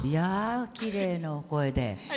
きれいなお声で。